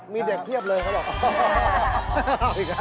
มีเด็กเพียบเลยเขาบอก